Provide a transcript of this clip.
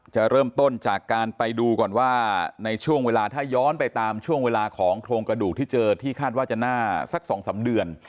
จะเริ่มต้นจากการไปดูก่อนว่าในช่วงเวลาถ้าย้อนไปตามช่วงเวลาของโครงกระดูกที่เจอที่คาดว่าจะน่าสัก๒๓เดือน